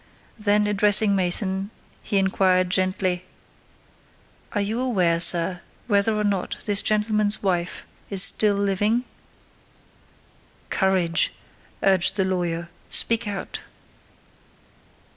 Then addressing Mason, he inquired gently, "Are you aware, sir, whether or not this gentleman's wife is still living?" "Courage," urged the lawyer,—"speak out."